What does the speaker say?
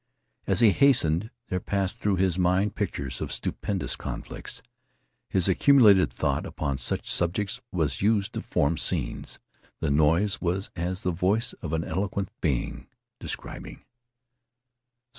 As he hastened, there passed through his mind pictures of stupendous conflicts. His accumulated thought upon such subjects was used to form scenes. The noise was as the voice of an eloquent being, describing.